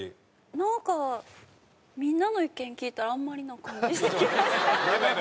なんかみんなの意見聞いたらあんまりな感じしてきました。